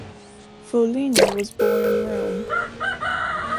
Follini was born in Rome.